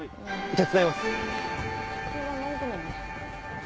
手伝います。